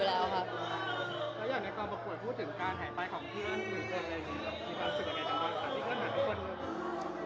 แล้วอย่างในการประกวดพูดถึงการหายไปของเพื่อนอื่น